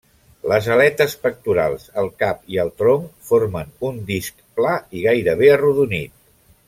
Les aletes pectorals, el cap i el tronc formen un disc pla i gairebé arrodonit.